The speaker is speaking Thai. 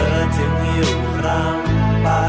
ลืมครับ